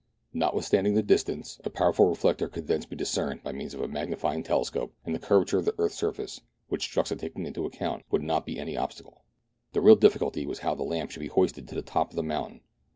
Notwithstanding the distance, a powerful reflector could thence be discerned by means of a magnifying telescope, and the curvature of the THREE ENGLISHMEN AND THREE RUSSIANS. 1 87 earth's surface, which Strux had taken into account, would not be any obstacle. The real difficulty was how the lamp should be hoisted to the top of the moun tain.